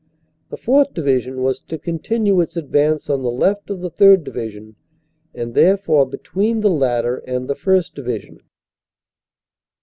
The 4th. Divi sion was to continue its advance on the left of the 3rd. Division, and therefore between the latter and the 1st. Division.